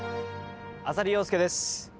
浅利陽介です。